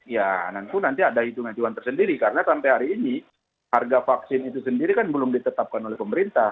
ya nanti ada hitung hitungan tersendiri karena sampai hari ini harga vaksin itu sendiri kan belum ditetapkan oleh pemerintah